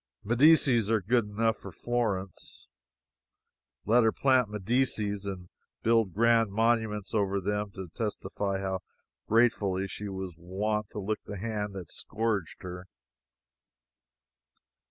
Medicis are good enough for Florence. Let her plant Medicis and build grand monuments over them to testify how gratefully she was wont to lick the hand that scourged her.